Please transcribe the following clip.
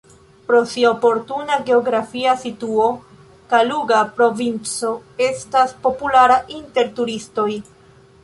Pro sia oportuna geografia situo Kaluga provinco estas populara inter turistoj.